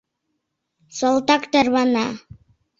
Салтак тарвана.